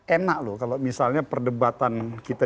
enak loh kalau misalnya perdebatan kita